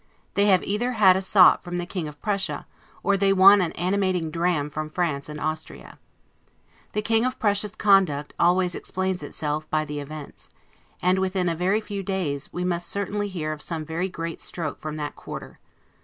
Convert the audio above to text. They have either had a sop from the King of Prussia, or they want an animating dram from France and Austria. The King of Prussia's conduct always explains itself by the events; and, within a very few days, we must certainly hear of some very great stroke from that quarter.